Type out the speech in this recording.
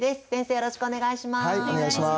よろしくお願いします。